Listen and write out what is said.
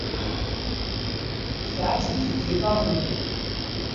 Teɛjeb-it tgiṭart-nni.